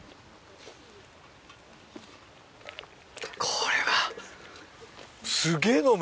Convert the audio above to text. これは。